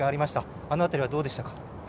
あの辺りはどうでしたか？